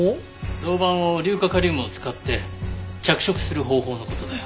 銅板を硫化カリウムを使って着色する方法の事だよ。